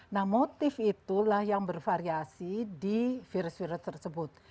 nah motif itulah yang bervariasi di virus virus tersebut